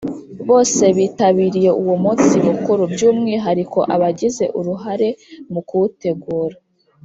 bose bitabiriye uwo munsi mukuru. by’umwihariko abagize uruhare mu kuwutegura.